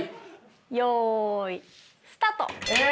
よいスタート！え！